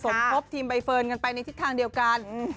สมทบทีมใบเฟิร์นกันไปในทิศทางเดียวกัน